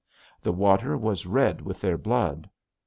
The water was red with their blood.